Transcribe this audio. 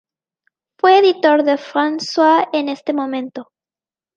Fue editor de "France Soir" en este momento.